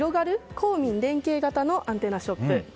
公民連携型のアンテナショップ。